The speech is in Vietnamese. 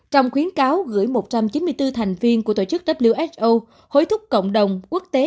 trong khuyến cáo gửi một trăm chín mươi bốn thành viên của tổ chức who hối thúc cộng đồng quốc tế